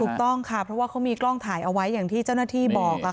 ถูกต้องค่ะเพราะว่าเขามีกล้องถ่ายเอาไว้อย่างที่เจ้าหน้าที่บอก